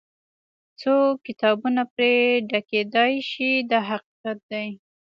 څو کتابونه پرې ډکېدای شي دا حقیقت دی.